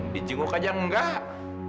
dijenguk aja enggak